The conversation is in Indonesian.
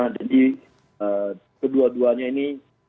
jadi kedua duanya ini